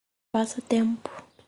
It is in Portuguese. Passa Tempo